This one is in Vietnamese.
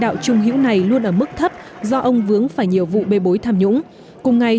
đạo trung hữu này luôn ở mức thấp do ông vướng phải nhiều vụ bê bối tham nhũng cùng ngày